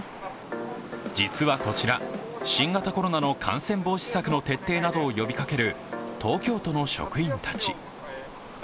実はこちら、新型コロナの感染防止策の徹底などを呼びかける東京都の職員たち。